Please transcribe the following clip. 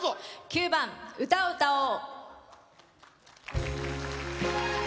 ９番「歌を歌おう」。